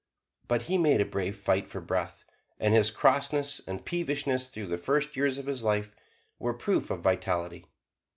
But he made a brave fight for breath, and his crossness and peevishness through the first years of his life were proof of vitality.